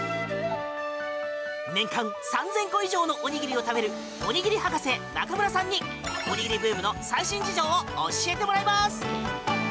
年間３０００個以上のおにぎりを食べるおにぎり博士・中村さんにおにぎりブームの最新事情を教えてもらいます！